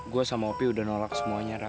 gue sama opi udah nolak semuanya rak